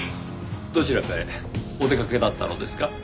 どちらかへお出かけだったのですか？